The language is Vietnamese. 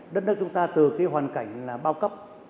đất nước chúng ta từ cái hoàn cảnh là bao cấp